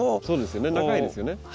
そうですよね。